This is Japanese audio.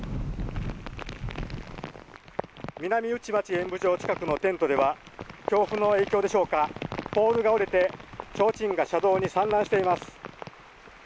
みなみうちまち演舞場近くのテントでは、強風の影響でしょうか、ポールが折れてちょうちんが車道に散乱しています。